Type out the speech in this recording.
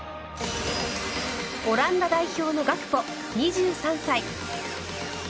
オランダ代表のガクポ２３歳。